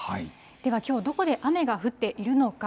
では、きょう、どこで雨が降っているのか。